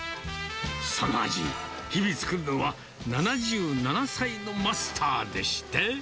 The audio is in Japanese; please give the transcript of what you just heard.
その味、日々作るのは、７７歳のマスターでして。